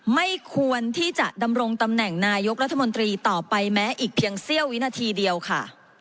ไม่ควรที่จะดำรงตำแหน่งนายกรัฐมนตรีต่อไปแม้อีกเพียงเสี้ยววินาทีเดียวค่ะ